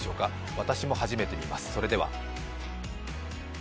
私も初めて見ます。